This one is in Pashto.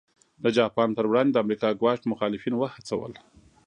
د جاپان پر وړاندې د امریکا ګواښ مخالفین وهڅول.